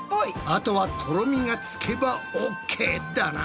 あとはとろみがつけばＯＫだな。